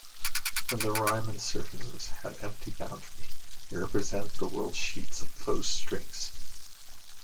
When the Riemann surfaces have empty boundary, they represent the worldsheets of closed strings.